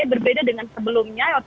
berbeda dengan sebelumnya